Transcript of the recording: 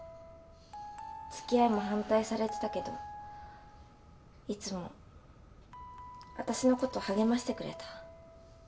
付き合いも反対されてたけどいつもわたしのこと励ましてくれた。